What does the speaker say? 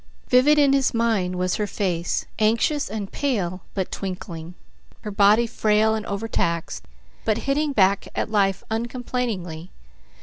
Vivid in his mind was her face, anxious and pale, but twinkling; her body frail and overtaxed, but hitting back at life uncomplainingly.